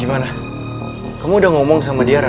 gimana kamu udah ngomong sama dia ra